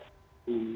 ini kalau pandemi ini